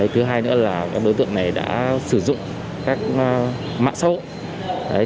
thứ hai nữa là các đối tượng này đã sử dụng các mạng xã hội